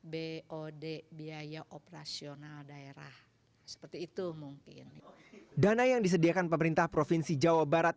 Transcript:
bod biaya operasional daerah seperti itu mungkin dana yang disediakan pemerintah provinsi jawa barat